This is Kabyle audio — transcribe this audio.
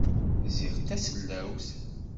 Ziɣ tasellawt.